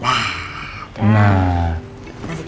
nanti kita kasih